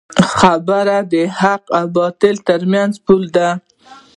خبرې د حق او باطل ترمنځ پول دی